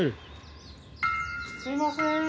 すいませーん。